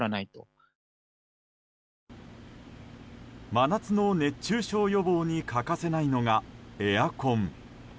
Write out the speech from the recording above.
真夏の熱中症予防に欠かせないのがエアコン。